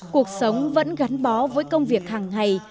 cuộc sống vẫn gắn bó với công việc hàng ngày